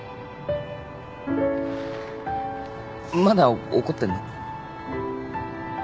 まだ怒ってんの？